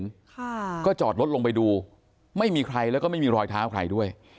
ค่ะก็จอดรถลงไปดูไม่มีใครแล้วก็ไม่มีรอยเท้าใครด้วย